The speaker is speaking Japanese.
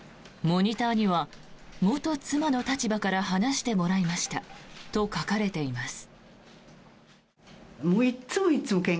モニターには、元妻の立場から話してもらいましたと書かれています。